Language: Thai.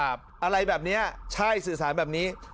อะไรแบบนี้ใช่สื่อสารแบบนี้